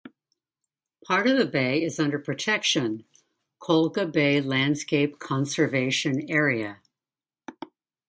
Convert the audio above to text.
Part of the bay is under protection (Kolga Bay Landscape Conservation Area).